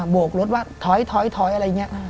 โบกรถว่าถอยถอยถอยอะไรอย่างนี้